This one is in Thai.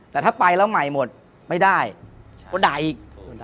แต่ถ้าไปแล้วใหม่หมดไม่ได้ก็ด่าอีก